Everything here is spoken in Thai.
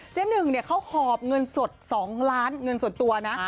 หนึ่งเนี่ยเขาหอบเงินสด๒ล้านเงินส่วนตัวนะ